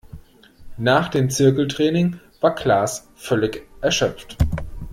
Nach dem Zirkeltraining war Klaas völlig erschöpft.